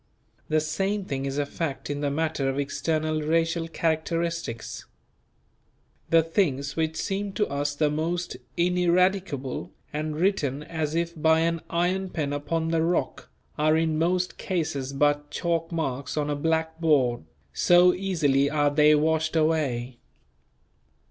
The same thing is a fact in the matter of external racial characteristics. The things which seem to us the most ineradicable and written as if by an "iron pen upon the rock" are in most cases but chalk marks on a blackboard, so easily are they washed away.